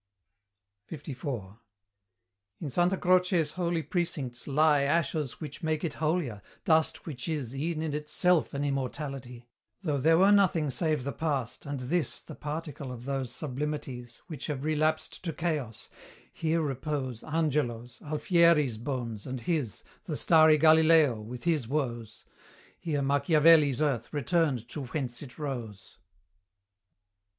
LIV. In Santa Croce's holy precincts lie Ashes which make it holier, dust which is E'en in itself an immortality, Though there were nothing save the past, and this The particle of those sublimities Which have relapsed to chaos: here repose Angelo's, Alfieri's bones, and his, The starry Galileo, with his woes; Here Machiavelli's earth returned to whence it rose.